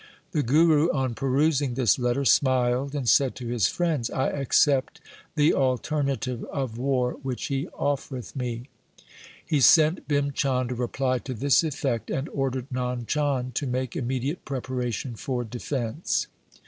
The Guru on perusing this letter smiled and said to his friends, ' I accept the alternative of war which he offereth me.' He LIFE OF GURU GOBIND SINGH 15 sent Bhim Chand a reply to this effect, and ordered Nand Chand to make immediate preparation for defence.